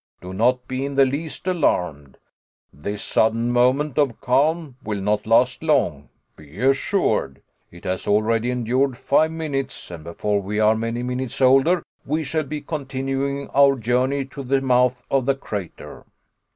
Do not be in the least alarmed; this sudden moment of calm will not last long, be assured. It has already endured five minutes, and before we are many minutes older we shall be continuing our journey to the mouth of the crater."